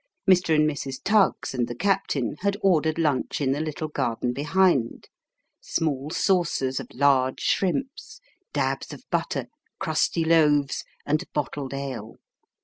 Mr. and Mrs. Tuggs, and the captain, had ordered lunch in the little garden behind : small saucers of large shrimps, dabs of butter, crusty loaves, and bottled ale.